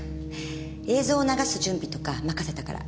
映像を流す準備とか任せたから。